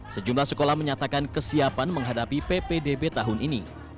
sejumlah sekolah menyatakan kesiapan menghadapi ppdb tahun ini